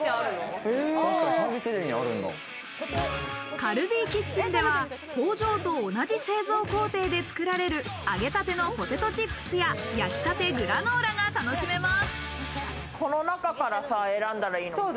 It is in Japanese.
カルビーキッチンでは、工場と同じ製造工程で作られる揚げたてのポテトチップスや、焼きたてグラノーラが楽しめます。